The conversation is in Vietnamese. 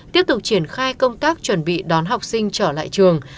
tiếp tục triển khai công tác chuẩn bị đón học sinh trở lại trường